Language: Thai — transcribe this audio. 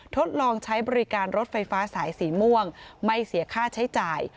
ทดลองใช้บริการรถไฟฟ้าสายสีม่วงไม่เสียค่าใช้จ่าย